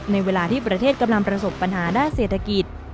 เวลาที่ประเทศกำลังประสบปัญหาด้านเศรษฐกิจ